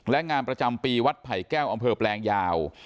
และงานประจำปีวัดไผ่แก้วอำเภอแปลงยาว